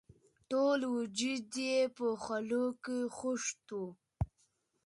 ټول وجود یې په خولو کې خیشت وو.